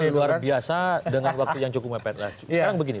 luar biasa dengan waktu yang cukup mepet